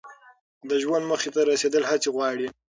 د ژوند موخې ته رسیدل هڅې غواړي.